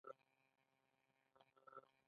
سخت کار کول پرمختګ دی